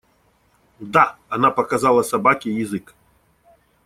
Да! – Она показала собаке язык.